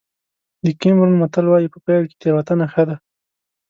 د کېمرون متل وایي په پيل کې تېروتنه ښه ده.